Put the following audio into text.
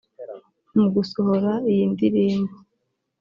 Mu gusohora iyi ndirimbo